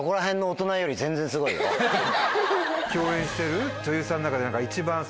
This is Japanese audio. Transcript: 共演してる女優さんの中で。